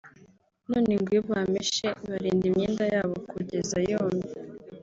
none ngo iyo bameshe barinda imyenda yabo kugeza yumye